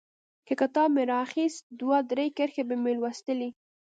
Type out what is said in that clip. که مې کتاب رااخيست دوه درې کرښې به مې ولوستلې.